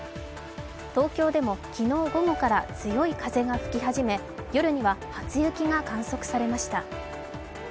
東京でも昨日午後から強い風が吹き始め、夜には初雪が観測されました。